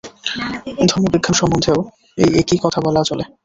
ধর্মবিজ্ঞান সম্বন্ধেও এই একই কথা বলা চলে।